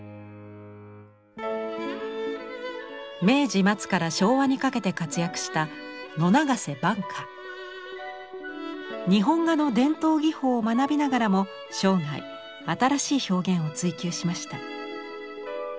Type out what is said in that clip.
明治末から昭和にかけて活躍した日本画の伝統技法を学びながらも生涯新しい表現を追求しました。